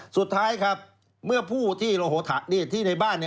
สุดท้ายครับเมื่อผู้ที่โลโฮถะแบบนี้